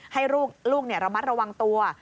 ให้ลูกลูกเนี่ยระมัดระวังตัว